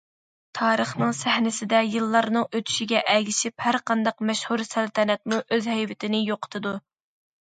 تارىخنىڭ سەھنىسىدە يىللارنىڭ ئۆتۈشىگە ئەگىشىپ، ھەر قانداق مەشھۇر سەلتەنەتمۇ ئۆز ھەيۋىتىنى يوقىتىدۇ.